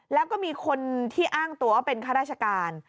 แล้วก็มีคนที่อ้างตัวว่าเป็นข้าราชการ